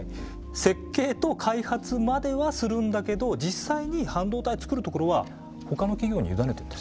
設計と開発まではするんだけど実際に半導体つくるところはほかの企業に委ねてるんです。